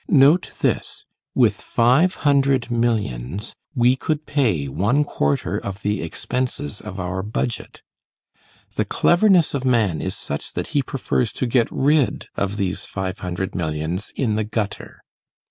Note this: with five hundred millions we could pay one quarter of the expenses of our budget. The cleverness of man is such that he prefers to get rid of these five hundred millions in the gutter.